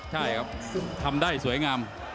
ใช่ครับทำได้สวยงาม